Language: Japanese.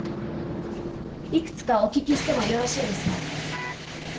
幾つかお聞きしてもよろしいですか？